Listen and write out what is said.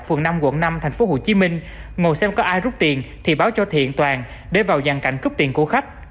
phường năm quận năm tp hcm ngồi xem có ai rút tiền thì báo cho thiện toàn để vào dàn cảnh cướp tiền của khách